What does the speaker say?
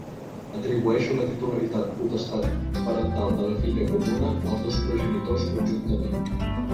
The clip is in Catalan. Atribueixo la titularitat potestat parental de la filla comuna als dos progenitors conjuntament.